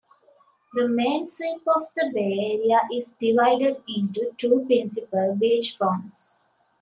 The main sweep of the bay area is divided into two principal beachfronts.